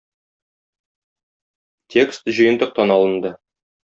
Текст җыентыктан алынды.